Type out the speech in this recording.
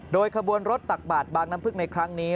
โดยขบวนรถตักบาดบางน้ำพึ่งในครั้งนี้